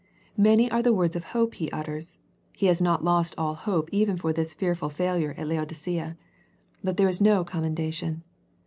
Many are the words of hope He utters. He has not lost all hope even for this fearful failure at Laodicea. But there is no commendation.